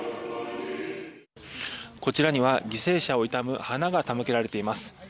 こちらには犠牲者を悼む花が手向けられています。